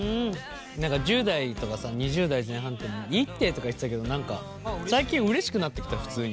何か１０代とかさ２０代前半っていいってとか言ってたけど何か最近うれしくなってきた普通に。